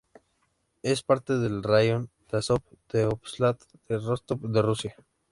Es parte del raión de Azov del óblast de Rostov de Rusia.